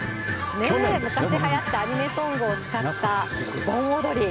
昔はやったアニメソングを使った盆踊り。